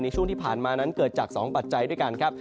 ช่วงที่ผ่านมานั้นเกิดจาก๒ปัจจัยด้วยกันครับ